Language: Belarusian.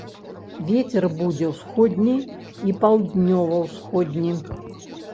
Вецер будзе ўсходні і паўднёва-ўсходні.